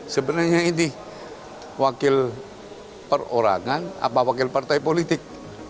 sebenarnya ini wakil perorangan apa wakil partai politik